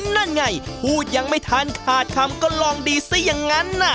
นั่นไงพูดยังไม่ทันขาดคำก็ลองดีซะอย่างนั้นน่ะ